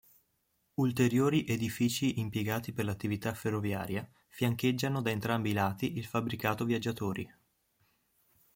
Ulteriori edifici impiegati per l'attività ferroviaria fiancheggiano da entrambi i lati il fabbricato viaggiatori.